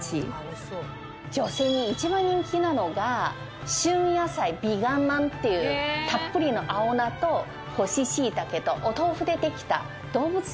女性に一番人気なのが「旬野菜Ｖｅｇａｎまん」っていうたっぷりの青菜と干しシイタケとお豆腐でできた。